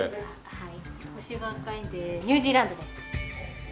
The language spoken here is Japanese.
はい。